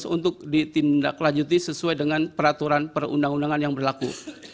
untuk ditindaklanjuti sesuai dengan peraturan perundang undangan yang berlaku